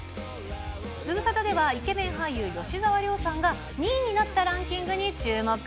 ズムサタでは、イケメン俳優、吉沢亮さんが、２位になったランキングに注目。